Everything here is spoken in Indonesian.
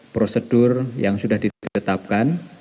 prosedur yang sudah ditetapkan